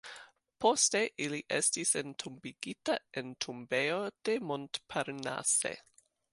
Poste li estis entombigita en tombejo de Montparnasse.